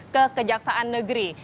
ke kejaksaan negeri